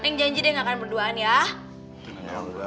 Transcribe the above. neng janji deh nggak akan berduaan ya